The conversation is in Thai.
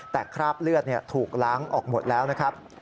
แต่คราบเลือดถูกล้างออกหมดแล้วนะครับ